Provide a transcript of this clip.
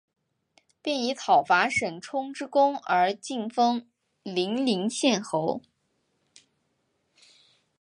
并以讨伐沈充之功而进封零陵县侯。